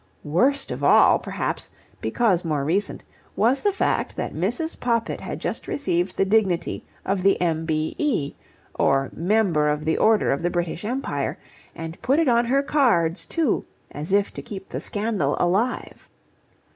... Worst of all, perhaps, because more recent, was the fact that Mrs. Poppit had just received the dignity of the M.B.E., or Member of the Order of the British Empire, and put it on her cards too, as if to keep the scandal alive.